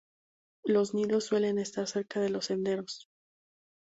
Los nidos suelen estar cerca de los senderos.